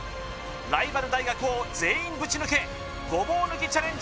ライバル大学を全員ぶち抜けごぼう抜きチャレンジ